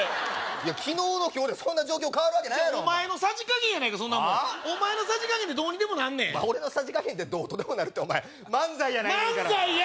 昨日の今日でそんな状況変わるわけないやろお前のさじかげんやないかそんなもんお前のさじかげんでどうにでもなんねん俺のさじかげんでどうとでもなるってお前漫才やないんやから漫才や！